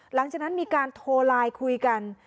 หลังจากนั้นมีการโทรไลน์คุยกัน